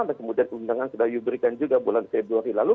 dan kemudian undangan sudah diberikan juga bulan februari lalu